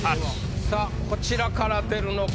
さぁこちらから出るのか？